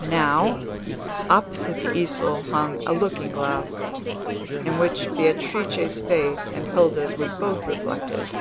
Now, opposite the easel hung a looking glass, in which Beatrice's face and Hilda's were both reflected.